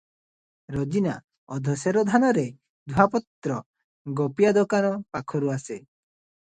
ରୋଜିନା ଅଧ ସେର ଧାନରେ ଧୂଆଁପତ୍ର ଗୋପିଆ ଦୋକାନ ପାଖରୁ ଆସେ ।